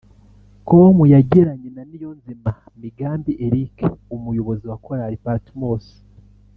com yagiranye na Niyonzima Migambi Eric umuyobozi wa korali Patmos